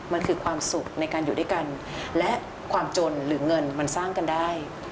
มันคือความสุขในการอยู่ด้วยกันและความจนหรือเงินมันสร้างกันได้